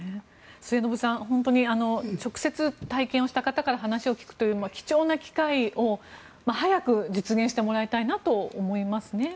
末延さん、直接体験をした方から話を聞くという貴重な機会を早く実現してもらいたいなと思いますね。